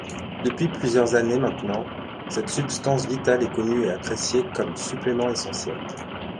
Depuis plusieurs années maintenant, cette substance vitale est connue et appréciée comme supplément essentiel.